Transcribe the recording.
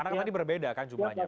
karena kan tadi berbeda kan jumlahnya